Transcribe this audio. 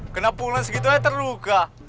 kena pungulan segitu aja terluka